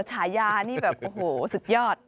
ฉายานี่แบบโอ้โหสุดยอด